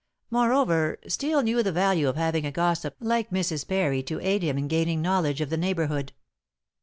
Moreover, Steel knew the value of having a gossip like Mrs. Parry to aid him in gaining knowledge of the neighborhood.